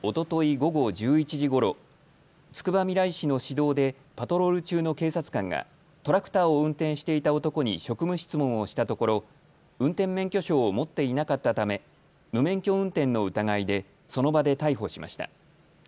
午後１１時ごろ、つくばみらい市の市道でパトロール中の警察官がトラクターを運転していた男に職務質問をしたところ運転免許証を持っていなかったため無免許運転の疑いでその場で逮捕しました。